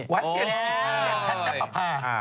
เวิร์ดธนัดนับประกาศ